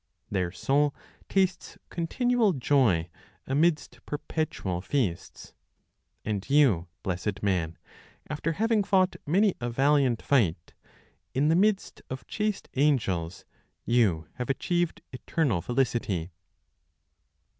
Their soul tastes continual joy amidst perpetual feasts! And you, blessed man, after having fought many a valiant fight, In the midst of chaste angels, you have achieved eternal Felicity.